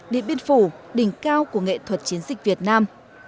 điện biên phủ đỉnh cao của nghệ thuật chiến dịch việt nam